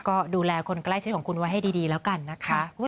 ก็ดูแลคนใกล้ชิดของคุณไว้ให้ดีแล้วกันนะคะ